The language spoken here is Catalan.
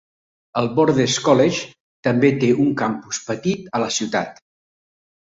El Borders College també té un campus petit a la ciutat.